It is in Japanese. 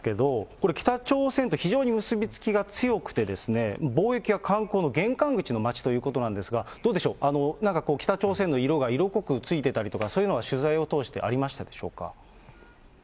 これ北朝鮮と非常に結び付きが強くて、貿易や観光の玄関口の街ということなんですが、どうでしょう、なんか北朝鮮の色が色濃くついてたりとか、そういうのは取材を通してありましたでしょうか。